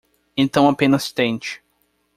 Então apenas tente